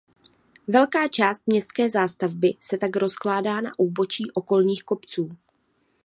Velká část městské zástavby se tak rozkládá na úbočí okolních kopců.